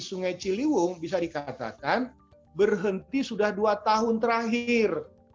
sungai ciliwung bisa dikatakan berhenti sudah dua tahun terakhir